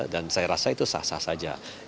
dan saya rasa itu sah sah saja